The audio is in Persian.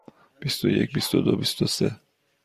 بیست و یک، بیست و دو، بیست و سه.